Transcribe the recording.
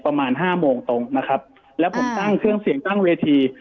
ประมาณห้าโมงตรงนะครับแล้วผมตั้งเครื่องเสียงตั้งเวที